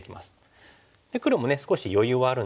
黒もね少し余裕はあるんですけども。